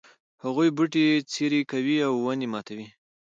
هغوی بوټي څیري کوي او ونې ماتوي